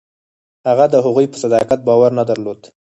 هغه د هغوی په صداقت باور نه درلود.